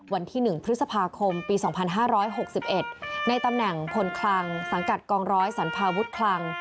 วันที่๑พฤษภาคมปี๒๕๖๑ในตำแหน่งพลคลังสังกัดกองร้อยสรรพาวุฒิคลัง